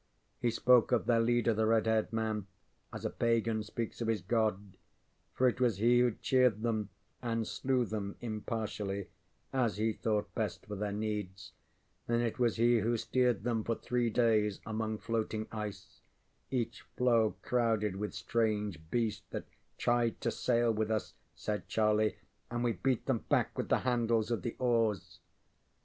He spoke of their leader, the red haired man, as a pagan speaks of his God; for it was he who cheered them and slew them impartially as he thought best for their needs; and it was he who steered them for three days among floating ice, each floe crowded with strange beasts that ŌĆ£tried to sail with us, ŌĆØ said Charlie, ŌĆ£and we beat them back with the handles of the oars.